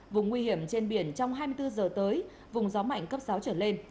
vùng nguy hiểm trên biển trong hai mươi bốn giờ tới vùng gió mạnh cấp sáu trở lên